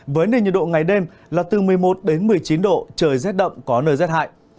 với nền nhiệt độ ngày đêm là từ một mươi một đến một mươi chín độ trời rét đậm có nơi rét hại